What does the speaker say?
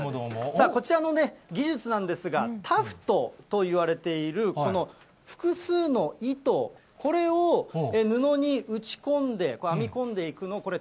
さあ、こちらの技術なんですが、タフトといわれているこの複数の糸、これを布に打ち込んで、編み込んでいくのをこれ、